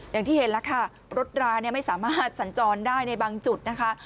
อย่างที่เห็นแล้วค่ะรถราไม่สามารถสัญจรได้ในบางจุดนะคะ